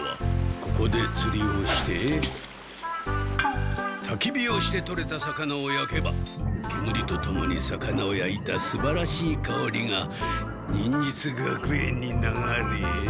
ここでつりをしてたき火をして取れた魚をやけばけむりとともに魚をやいたすばらしい香りが忍術学園に流れ。